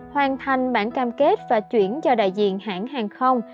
hoàn thành bản cam kết và chuyển cho đại diện hãng hàng không